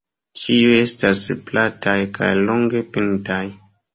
Ĉiuj estas plataj kaj longe pintaj.